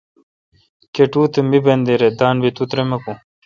کٹو تہ۔ می بندیر اے°،دان بی تو ترمکون